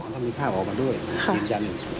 แล้วก็มีภาพออกมาด้วยเดี๋ยวจัดหนึ่ง